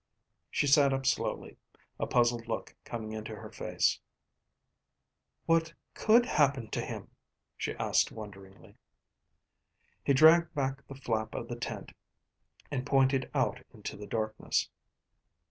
She sat up slowly, a puzzled look coming into her face. "What could happen to him?" she asked wonderingly. He dragged back the flap of the tent and pointed out into the darkness.